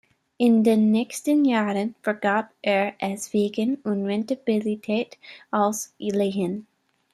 In den nächsten Jahren vergab er es wegen Unrentabilität als Lehen.